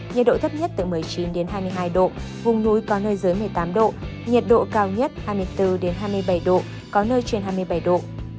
nhiệt độ thấp nhất từ một mươi chín hai mươi hai độ vùng núi có nơi dưới một mươi tám độ nhiệt độ cao nhất hai mươi bốn hai mươi bảy độ có nơi trên hai mươi bảy độ